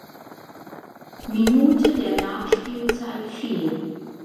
Minute der Nachspielzeit fiel.